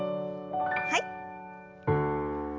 はい。